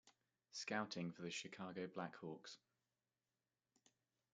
Scouting for the Chicago Blackhawks.